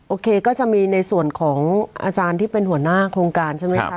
โอเคก็จะมีในส่วนของอาจารย์ที่เป็นหัวหน้าโครงการใช่ไหมคะ